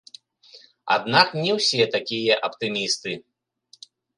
Аднак не ўсе такія аптымісты.